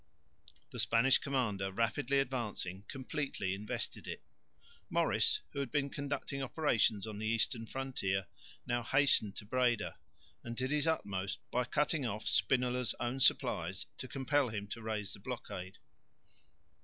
The Spanish commander rapidly advancing completely invested it. Maurice, who had been conducting operations on the eastern frontier, now hastened to Breda, and did his utmost by cutting off Spinola's own supplies to compel him to raise the blockade.